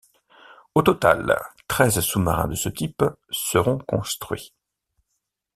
Au total, treize sous-marins de ce type seront construits.